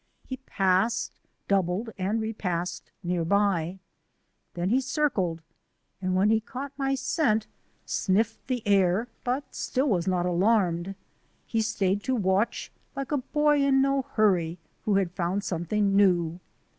He passed, doubled, and repassed near by. Then he circled, and when he caught my scent, sniffed the air but still was not alarmed. He stayed to watch, like a boy in no hurry who had found something new.